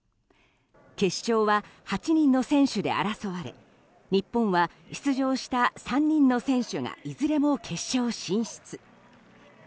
決勝は８人の選手で争われ日本は出場した３人の選手がいずれも決勝進出。